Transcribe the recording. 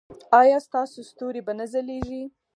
ایا ستاسو ستوري به نه ځلیږي؟